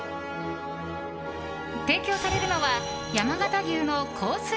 提供されるのは山形牛のコース